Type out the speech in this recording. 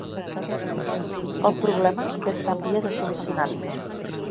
El problema ja està en via de solucionar-se.